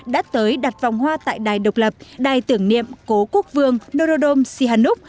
đã tới đặt vòng hoa tại đài độc lập đài tưởng niệm cố quốc vương norodom sihanuk